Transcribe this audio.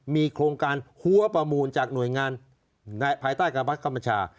มีโครงการหัวประมูลจากหน่วยงานภายใต้กับบัตรกรรมชาติ